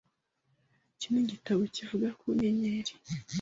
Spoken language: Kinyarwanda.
Iki ni igitabo kivuga ku nyenyeri .